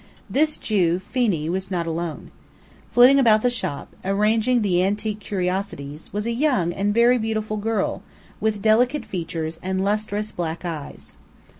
This Jew, Phenee, was not alone. Flitting about the shop, arranging the antique curiosities, was a young and very beautiful girl, with delicate features and lustrous, black eyes.